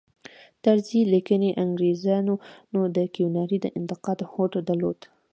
طرزي لیکي انګریزانو د کیوناري د انتقام هوډ درلود.